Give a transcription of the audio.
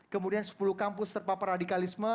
kemudian sepuluh kampus terpapar radikalisme